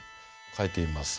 書いてみます。